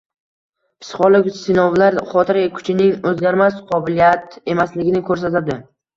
Psixologik sinovlar xotira kuchining o‘zgarmas qobiliyat emasligini ko‘rsatadi.